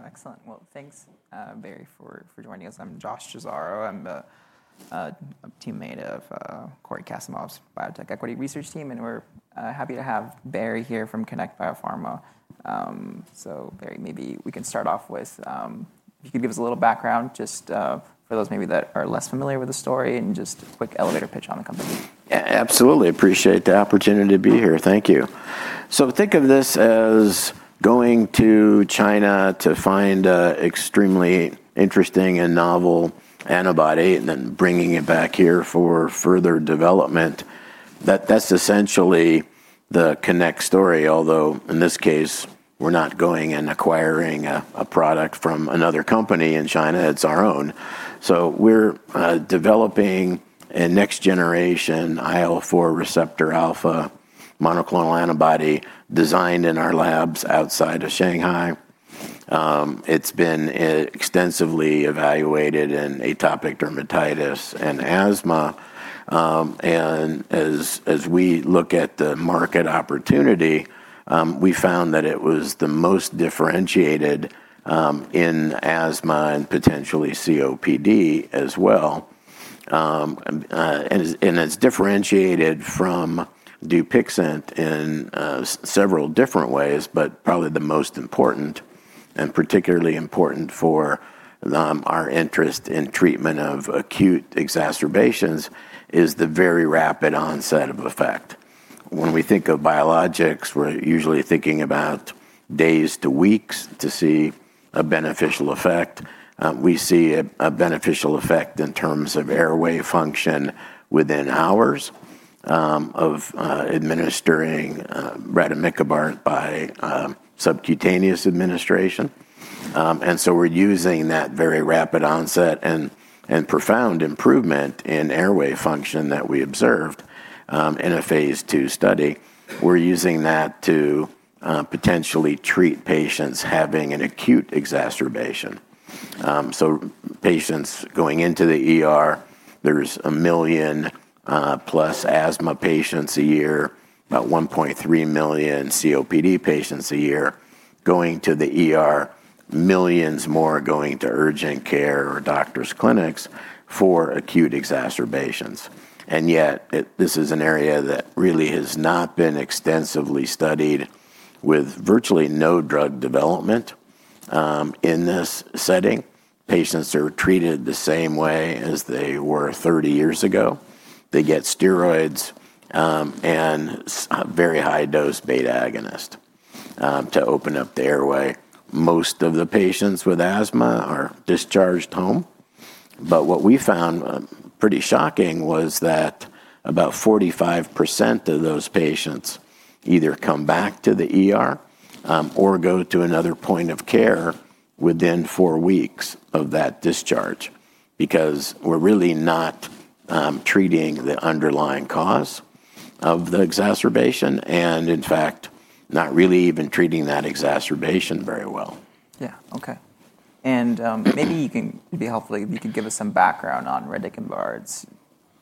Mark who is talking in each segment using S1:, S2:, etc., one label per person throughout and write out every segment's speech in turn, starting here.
S1: Great. Excellent. Thanks, Barry, for joining us. I'm Josh Cesaro. I'm a teammate of Corey Kasimov's Biotech Equity Research Team, and we're happy to have Barry here from Connect Biopharma. Barry, maybe we can start off with, if you could give us a little background, just for those maybe that are less familiar with the story, and just a quick elevator pitch on the company.
S2: Absolutely. Appreciate the opportunity to be here. Thank you. Think of this as going to China to find an extremely interesting and novel antibody and then bringing it back here for further development. That's essentially the Connect story, although in this case, we're not going and acquiring a product from another company in China. It's our own. We're developing a next-generation IL-4 receptor alpha monoclonal antibody designed in our labs outside of Shanghai. It's been extensively evaluated in atopic dermatitis and asthma. As we look at the market opportunity, we found that it was the most differentiated in asthma and potentially COPD as well. It's differentiated from Dupixent in several different ways, but probably the most important and particularly important for our interest in treatment of acute exacerbations is the very rapid onset of effect. When we think of biologics, we're usually thinking about days to weeks to see a beneficial effect. We see a beneficial effect in terms of airway function within hours of administering retimicavir by subcutaneous administration. We are using that very rapid onset and profound improvement in airway function that we observed in a phase two study. We are using that to potentially treat patients having an acute exacerbation. Patients going into the, there's a million-plus asthma patients a year, about 1.3 million COPD patients a year going to the millions more going to urgent care or doctor's clinics for acute exacerbations. This is an area that really has not been extensively studied with virtually no drug development in this setting. Patients are treated the same way as they were 30 years ago. They get steroids and very high-dose beta agonist to open up the airway. Most of the patients with asthma are discharged home. What we found pretty shocking was that about 45% of those patients either come back to the or go to another point of care within four weeks of that discharge because we're really not treating the underlying cause of the exacerbation and, in fact, not really even treating that exacerbation very well. Yeah. Okay. Maybe it'd be helpful if you could give us some background on retimicavir's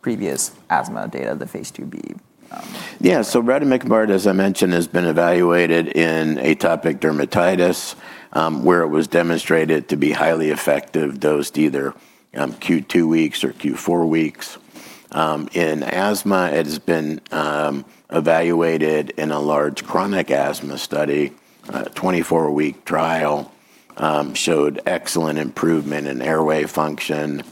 S2: previous asthma data, the phase 2b. Yeah. So retimicavir, as I mentioned, has been evaluated in atopic dermatitis where it was demonstrated to be highly effective, dosed either q2 weeks or q4 weeks. In asthma, it has been evaluated in a large chronic asthma study. A 24-week trial showed excellent improvement in airway function,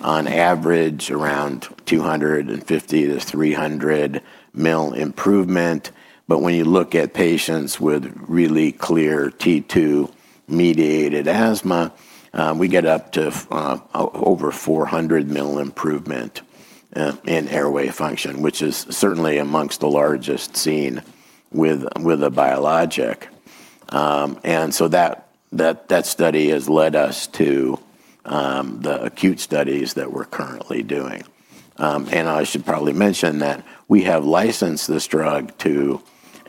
S2: on average around 250 million-300 million improvement. When you look at patients with really clear T2-mediated asthma, we get up to over 400 million improvement in airway function, which is certainly amongst the largest seen with a biologic. That study has led us to the acute studies that we're currently doing. I should probably mention that we have licensed this drug to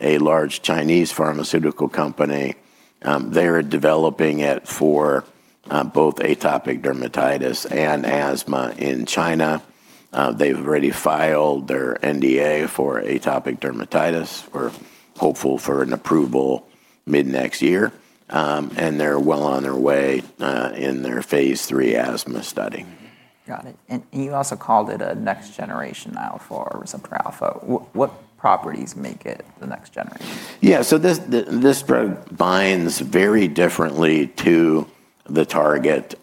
S2: a large Chinese pharmaceutical company. They are developing it for both atopic dermatitis and asthma in China. They've already filed their NDA for atopic dermatitis. We're hopeful for an approval mid-next year. They're well on their way in their phase three asthma study. Got it. You also called it a next-generation IL-4 receptor alpha. What properties make it the next generation? Yeah. This drug binds very differently to the target.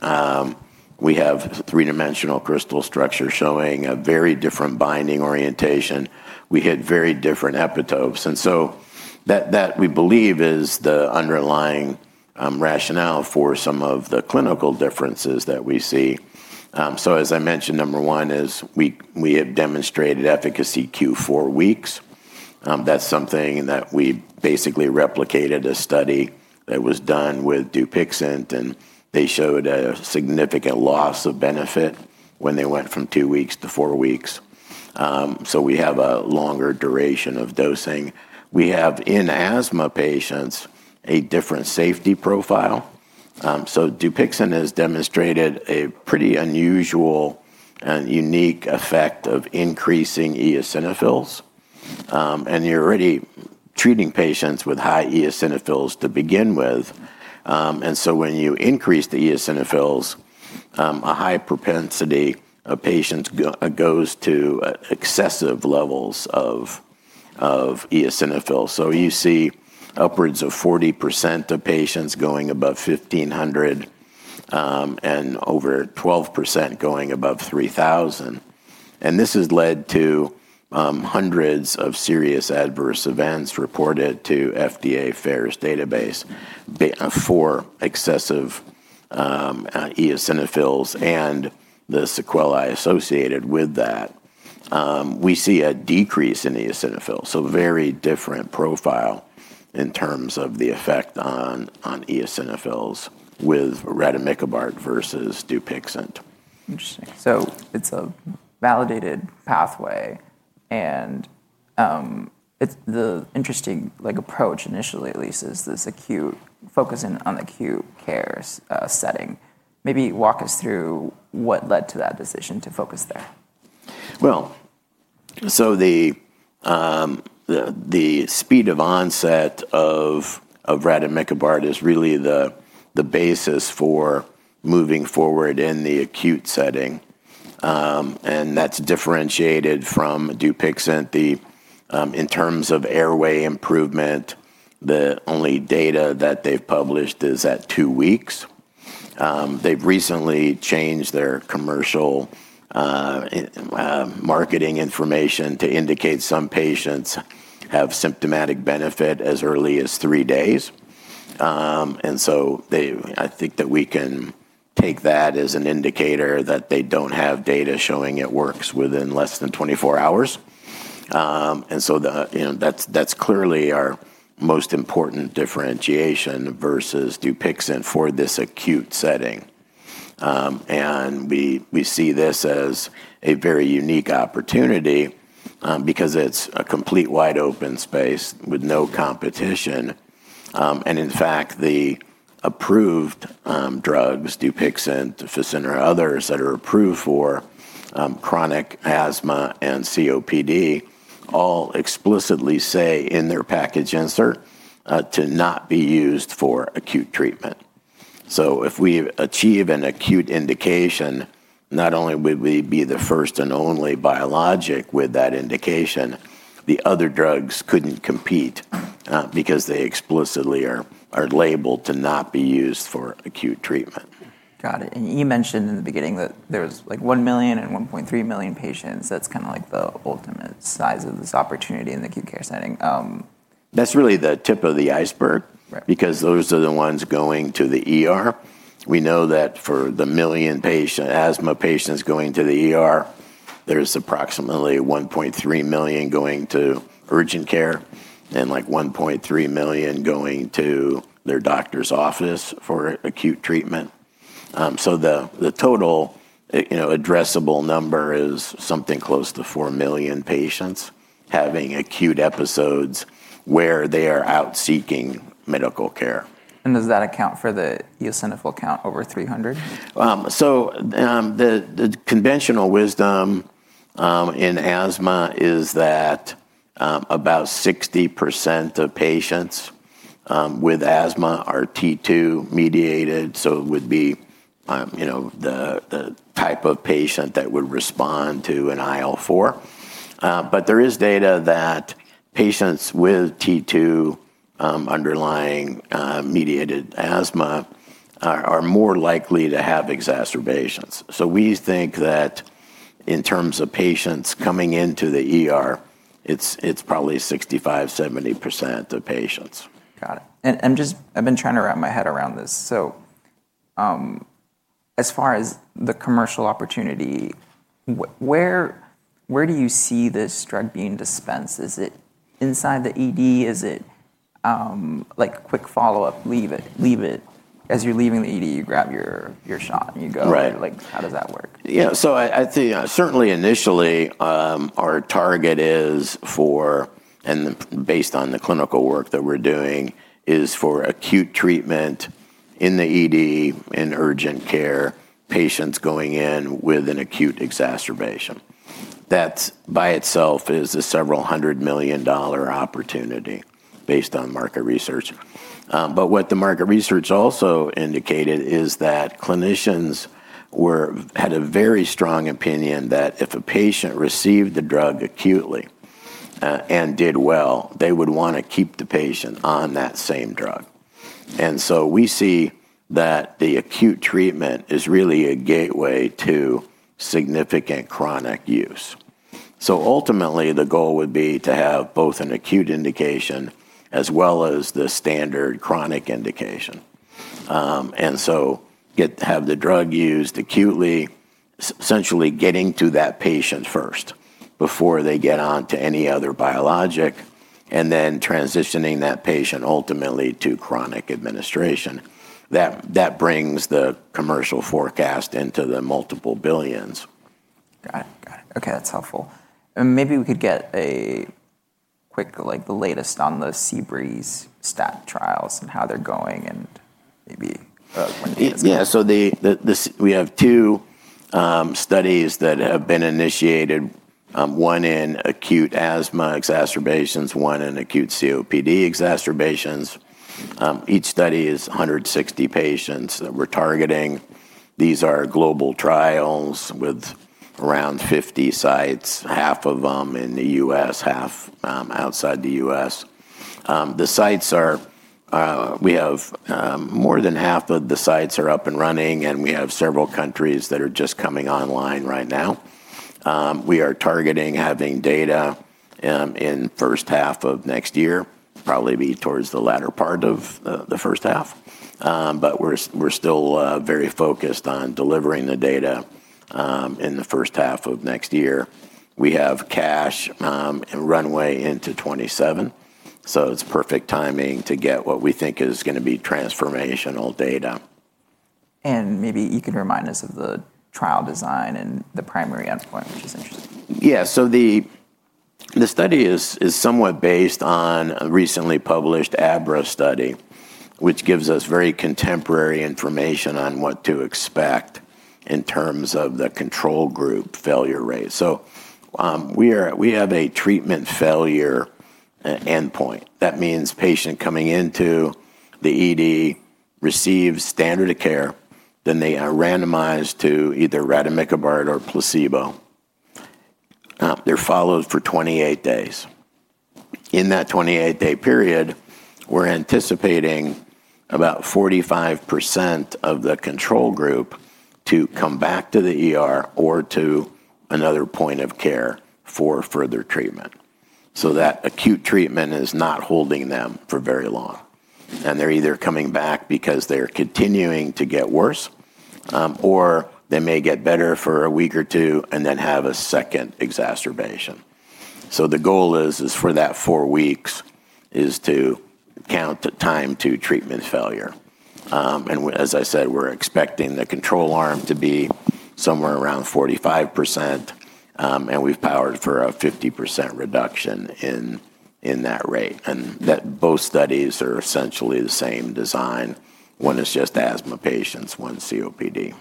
S2: We have a three-dimensional crystal structure showing a very different binding orientation. We hit very different epitopes. That, we believe, is the underlying rationale for some of the clinical differences that we see. As I mentioned, number one is we have demonstrated efficacy q4 weeks. That is something that we basically replicated a study that was done with Dupixent, and they showed a significant loss of benefit when they went from two weeks to four weeks. We have a longer duration of dosing. We have, in asthma patients, a different safety profile. Dupixent has demonstrated a pretty unusual and unique effect of increasing eosinophils. You are already treating patients with high eosinophils to begin with. When you increase the eosinophils, a high propensity of patients goes to excessive levels of eosinophils. You see upwards of 40% of patients going above 1,500 and over 12% going above 3,000. This has led to hundreds of serious adverse events reported to the FDA FAERS database for excessive eosinophils and the sequelae associated with that. We see a decrease in eosinophils, so a very different profile in terms of the effect on eosinophils with retimicavir versus Dupixent. Interesting. It is a validated pathway. The interesting approach, initially at least, is this acute focusing on acute care setting. Maybe walk us through what led to that decision to focus there. The speed of onset of retimicavir is really the basis for moving forward in the acute setting. That is differentiated from Dupixent in terms of airway improvement. The only data that they've published is at two weeks. They've recently changed their commercial marketing information to indicate some patients have symptomatic benefit as early as three days. I think that we can take that as an indicator that they do not have data showing it works within less than 24 hours. That is clearly our most important differentiation versus Dupixent for this acute setting. We see this as a very unique opportunity because it is a complete wide open space with no competition. In fact, the approved drugs, Dupixent, Fasenra, others that are approved for chronic asthma and COPD, all explicitly say in their package insert to not be used for acute treatment. If we achieve an acute indication, not only would we be the first and only biologic with that indication, the other drugs could not compete because they explicitly are labeled to not be used for acute treatment. Got it. You mentioned in the beginning that there was like one million and 1.3 million patients. That's kind of like the ultimate size of this opportunity in the acute care setting. That's really the tip of the iceberg because those are the ones going to the we know that for the million patient asthma patients going to the there's approximately 1.3 million going to urgent care and like 1.3 million going to their doctor's office for acute treatment. The total addressable number is something close to four million patients having acute episodes where they are out seeking medical care. Does that account for the eosinophil count over 300? The conventional wisdom in asthma is that about 60% of patients with asthma are T2-mediated. It would be the type of patient that would respond to an IL-4. There is data that patients with T2 underlying mediated asthma are more likely to have exacerbations. We think that in terms of patients coming into the it's probably 65%-70% of patients. Got it. I've been trying to wrap my head around this. As far as the commercial opportunity, where do you see this drug being dispensed? Is it inside the ED? Is it like quick follow-up, leave it? As you're leaving the ED, you grab your shot and you go. How does that work? Yeah. I think certainly initially, our target is for, and based on the clinical work that we're doing, is for acute treatment in the ED and urgent care patients going in with an acute exacerbation. That by itself is a several hundred million dollar opportunity based on market research. What the market research also indicated is that clinicians had a very strong opinion that if a patient received the drug acutely and did well, they would want to keep the patient on that same drug. We see that the acute treatment is really a gateway to significant chronic use. Ultimately, the goal would be to have both an acute indication as well as the standard chronic indication. Have the drug used acutely, essentially getting to that patient first before they get on to any other biologic, and then transitioning that patient ultimately to chronic administration. That brings the commercial forecast into the multiple billions. Got it. Got it. Okay. That's helpful. Maybe we could get a quick, like the latest on the CBP-201 stat trials and how they're going and maybe. Yeah. We have two studies that have been initiated, one in acute asthma exacerbations, one in acute COPD exacerbations. Each study is 160 patients that we're targeting. These are global trials with around 50 sites, half of them in the U.S., half outside the U.S. We have more than half of the sites up and running, and we have several countries that are just coming online right now. We are targeting having data in the first half of next year, probably be towards the latter part of the first half. We are still very focused on delivering the data in the first half of next year. We have cash and runway into 2027. It is perfect timing to get what we think is going to be transformational data. Maybe you can remind us of the trial design and the primary endpoint, which is interesting. Yeah. The study is somewhat based on a recently published AbRA study, which gives us very contemporary information on what to expect in terms of the control group failure rate. We have a treatment failure endpoint. That means patient coming into the ED receives standard of care, then they are randomized to either retimicavir or placebo. They're followed for 28 days. In that 28-day period, we're anticipating about 45% of the control group to come back to the ED or to another point of care for further treatment. That acute treatment is not holding them for very long. They're either coming back because they're continuing to get worse, or they may get better for a week or two and then have a second exacerbation. The goal for that four weeks is to count time to treatment failure. As I said, we're expecting the control arm to be somewhere around 45%, and we've powered for a 50% reduction in that rate. Both studies are essentially the same design. One is just asthma patients, one COPD.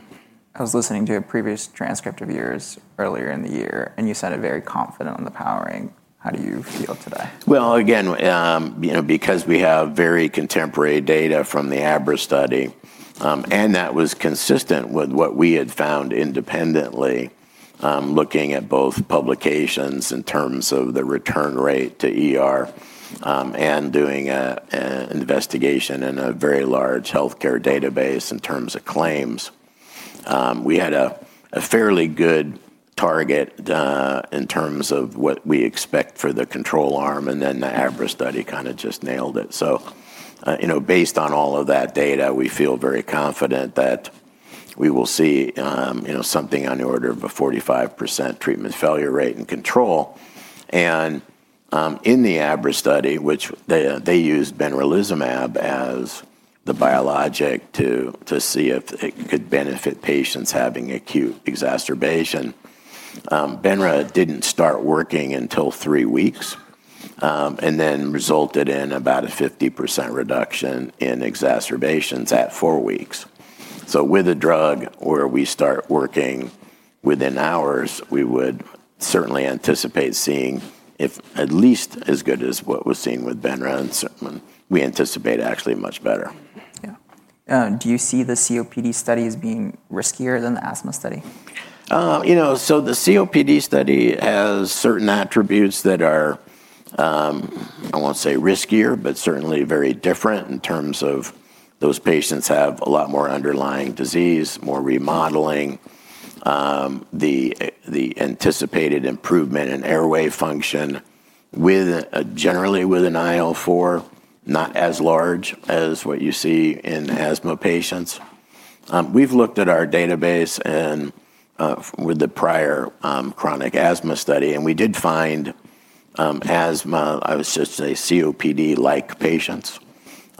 S2: I was listening to a previous transcript of yours earlier in the year, and you sounded very confident on the powering. How do you feel today? Again, because we have very contemporary data from the AbRA study, and that was consistent with what we had found independently looking at both publications in terms of the return rate to and doing an investigation in a very large healthcare database in terms of claims. We had a fairly good target in terms of what we expect for the control arm, and then the AbRA study kind of just nailed it. Based on all of that data, we feel very confident that we will see something on the order of a 45% treatment failure rate in control. In the AbRA study, which they used Benralizumab as the biologic to see if it could benefit patients having acute exacerbation, Benra did not start working until three weeks and then resulted in about a 50% reduction in exacerbations at four weeks. With a drug where we start working within hours, we would certainly anticipate seeing at least as good as what was seen with Benra. We anticipate actually much better. Yeah. Do you see the COPD studies being riskier than the asthma study? You know, the COPD study has certain attributes that are, I won't say riskier, but certainly very different in terms of those patients have a lot more underlying disease, more remodeling, the anticipated improvement in airway function generally with an IL-4, not as large as what you see in asthma patients. We've looked at our database with the prior chronic asthma study, and we did find asthma, I would just say COPD-like patients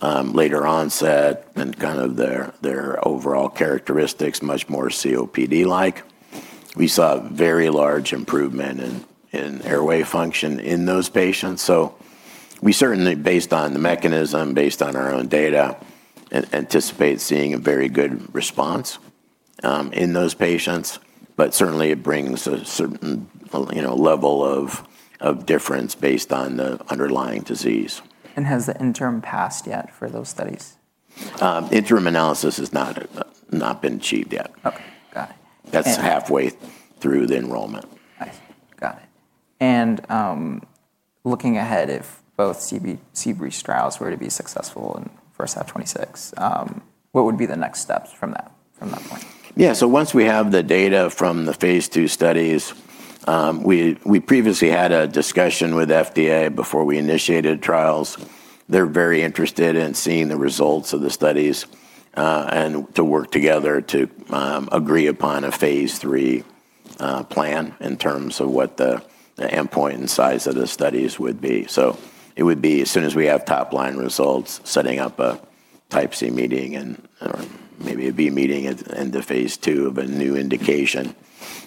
S2: later onset and kind of their overall characteristics much more COPD-like. We saw very large improvement in airway function in those patients. We certainly, based on the mechanism, based on our own data, anticipate seeing a very good response in those patients. It brings a certain level of difference based on the underlying disease. Has the interim passed yet for those studies? Interim analysis has not been achieved yet. Okay. Got it. That's halfway through the enrollment. Nice. Got it. Looking ahead, if both CBP-201 trials were to be successful in FORCE F26, what would be the next steps from that point? Yeah. Once we have the data from the phase two studies, we previously had a discussion with FDA before we initiated trials. They're very interested in seeing the results of the studies and to work together to agree upon a phase three plan in terms of what the endpoint and size of the studies would be. It would be as soon as we have top-line results, setting up a type C meeting and maybe a B meeting in the phase two of a new indication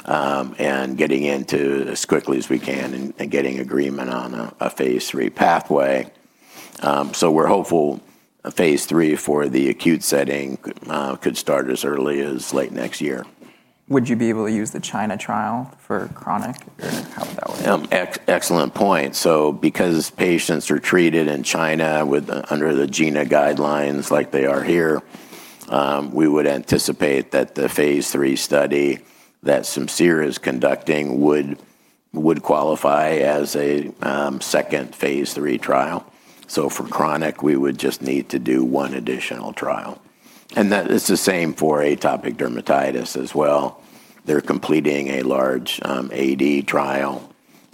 S2: and getting into as quickly as we can and getting agreement on a phase three pathway. We're hopeful phase three for the acute setting could start as early as late next year. Would you be able to use the China trial for chronic? How would that work? Excellent point. Because patients are treated in China under the GINA guidelines like they are here, we would anticipate that the phase three study that Simcere is conducting would qualify as a second phase three trial. For chronic, we would just need to do one additional trial. That is the same for atopic dermatitis as well. They are completing a large AD trial,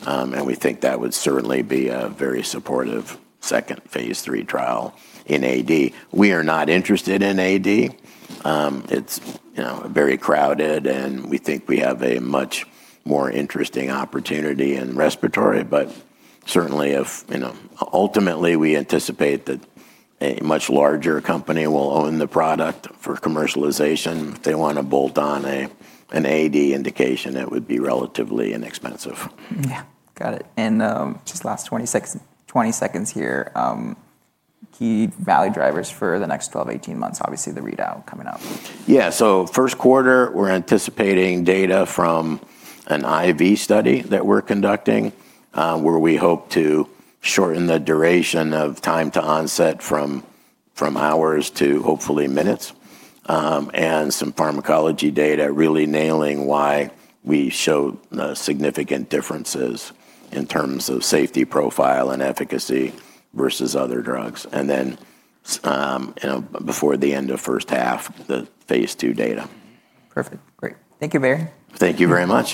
S2: and we think that would certainly be a very supportive second phase three trial in AD. We are not interested in AD. It is very crowded, and we think we have a much more interesting opportunity in respiratory. Certainly, ultimately, we anticipate that a much larger company will own the product for commercialization. If they want to bolt on an AD indication, it would be relatively inexpensive. Yeah. Got it. Just last 20 seconds here, key value drivers for the next 12, 18 months, obviously the readout coming up. Yeah. First quarter, we're anticipating data from an IV study that we're conducting where we hope to shorten the duration of time to onset from hours to hopefully minutes and some pharmacology data really nailing why we show significant differences in terms of safety profile and efficacy versus other drugs. Before the end of first half, the phase two data. Perfect. Great. Thank you, Barry. Thank you very much.